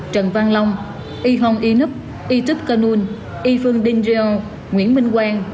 trần văn long y hong y nup y trúc canun y phương đinh rêu nguyễn minh quang